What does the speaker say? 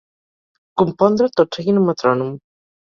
Compondre tot seguint un metrònom.